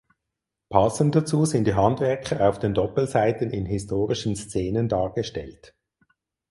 Passend dazu sind die Handwerker auf den Doppelseiten in historischen Szenen dargestellt.